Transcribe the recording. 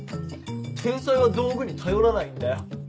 天才は道具に頼らないんだよ。